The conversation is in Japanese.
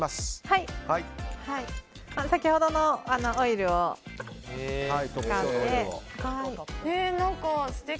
先ほどのオイルを使って。